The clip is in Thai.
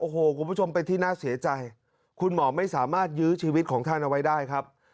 โอ้โหคุณผู้ชมเป็นที่น่าเสียใจคุณหมอไม่สามารถยื้อชีวิตของท่านเอาไว้ได้ครับ